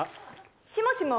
しもしも？